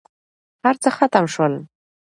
هرڅه ختم شول.